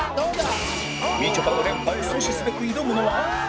みちょぱの連覇を阻止すべく挑むのは